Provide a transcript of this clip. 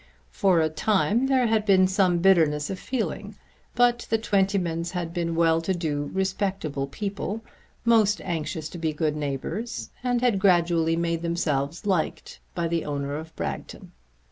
For a time there had been some bitterness of feeling; but the Twentymans had been well to do respectable people, most anxious to be good neighbours, and had gradually made themselves liked by the owner of Bragton.